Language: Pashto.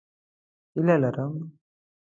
هیله لرم